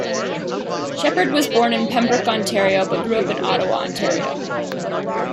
Sheppard was born in Pembroke, Ontario, but grew up in Ottawa, Ontario.